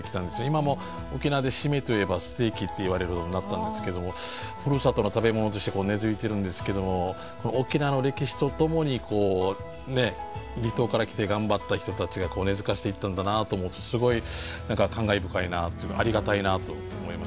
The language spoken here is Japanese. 今もう沖縄で締めといえばステーキっていわれるようになったんですけどもふるさとの食べ物として根づいているんですけどもこの沖縄の歴史と共にこうねえ離島から来て頑張った人たちが根づかせていったんだなと思うとすごい感慨深いなっていうかありがたいなと思いますよね。